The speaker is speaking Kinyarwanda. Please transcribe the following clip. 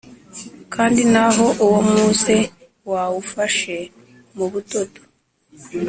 Kandi naho uwo muze wawufashe mu budodo